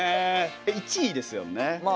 １位ですよね？